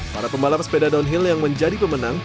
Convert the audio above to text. para pembalap sepeda downhill yang menjadi pemenang